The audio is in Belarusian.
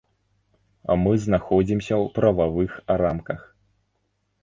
Мы знаходзімся ў прававых рамках.